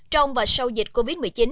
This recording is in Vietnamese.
trong và sau dịch covid một mươi chín